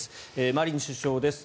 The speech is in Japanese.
マリン首相です。